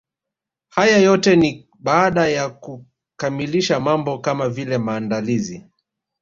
Haya yote ni baada ya kukamilisha mambo kama vile maandalizi